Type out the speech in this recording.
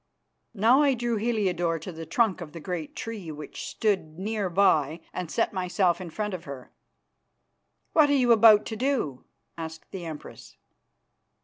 Now I drew Heliodore to the trunk of the great tree which stood near by and set myself in front of her. "What are you about to do?" asked the Empress.